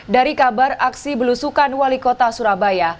dari kabar aksi belusukan wali kota surabaya